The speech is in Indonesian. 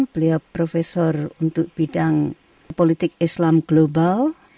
beliau profesor untuk bidang politik islam global